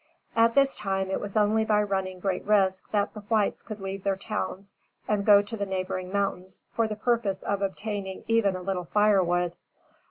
At this time, it was only by running great risk, that the whites could leave their towns and go to the neighboring mountains, for the purpose of obtaining even a little firewood.